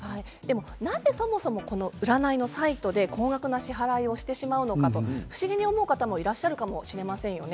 なぜ、そもそも占いのサイトで高額な支払いをしてしまうのかと不思議に思う方もいらっしゃるかもしれませんよね。